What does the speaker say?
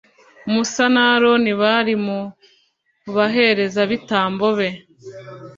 Musa na Aroni bari mu baherezabitambo be